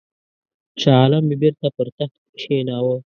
شاه عالم یې بیرته پر تخت کښېناوه.